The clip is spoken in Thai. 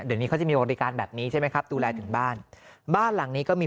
เดี๋ยวนี้เขาจะมีบริการแบบนี้ใช่ไหมครับดูแลถึงบ้านบ้านหลังนี้ก็มี